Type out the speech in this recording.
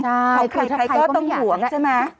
ของใครใครก็ต้องห่วงใช่ไหม